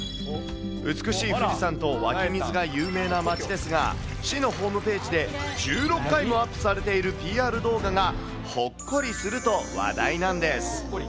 美しい富士山と湧き水が有名な町ですが、市のホームページで１６回もアップされているＰＲ動画がほっこりすると話題なんです。